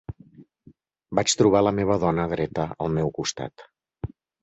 Vaig trobar la meva dona dreta al meu costat